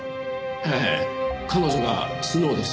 ええ彼女がスノウです。